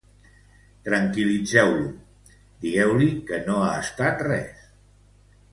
Tranquil·litzeu-lo: digueu-li que no ha estat res.